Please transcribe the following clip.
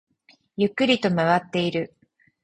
ゆっくりと回っている